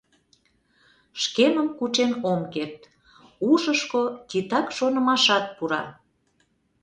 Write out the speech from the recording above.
Шкемым кучен ом керт, ушышко титак шонымашат пура.